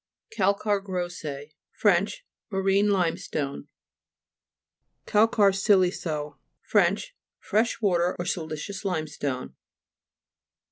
CALCA'IRE GROSS'IER Fr. Marine limestone. CALCA'IRE SILI'CEUX Fr. Fresh water or siliceous limestone.